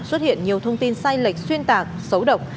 xuất hiện nhiều thông tin sai lệch xuyên tạc xấu độc